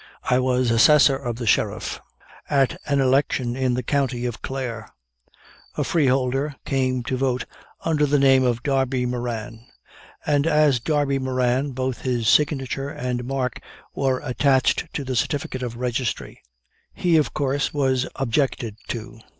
I was assessor of the Sheriff at an election in the county of Clare; a freeholder came to vote under the name of Darby Moran, and as Darby Moran both his signature and mark were attached to the certificate of Registry. He, of course, was objected to.